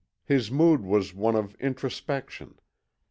His mood was one of introspection.